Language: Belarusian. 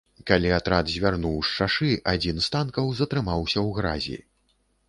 Калі атрад звярнуў з шашы, адзін з танкаў затрымаўся ў гразі.